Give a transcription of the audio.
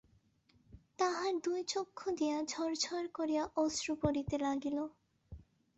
তাঁহার দুই চক্ষু দিয়া ঝরঝর করিয়া অশ্রু পড়িতে লাগিল।